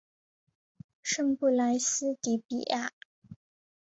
圣布莱斯迪比伊。